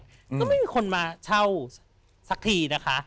ก็ไม่มีคนมาเช่าสักทีนะคะ